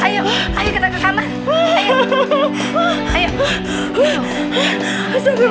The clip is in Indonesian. ayok jangan ngebrojol di sini dulu